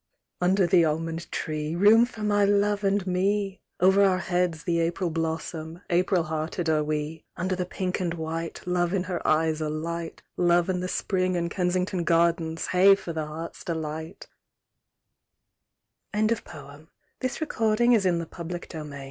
Under the almond tree, Room for my love and me ! Over our heads the April blossom ; April hearted are we. Under the pink and white, Love in her eyes alight ; Love and the Spring and Kensington Gardens Hey for the heart's delight 1 Rewards. Because you cried, I kissed you, and, Ah me !